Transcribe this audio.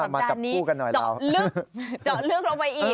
มาจับคู่กันหน่อยแล้วสัปดาห์นี้เจาะลึกลงไปอีก